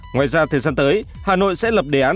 ngoài ra thời gian tới hà nội sẽ lập đề án